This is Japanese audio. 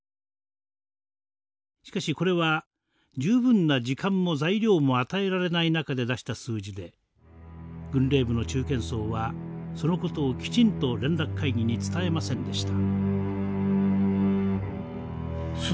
しかしこれは十分な時間も材料も与えられない中で出した数字で軍令部の中堅層はそのことをきちんと連絡会議に伝えませんでした。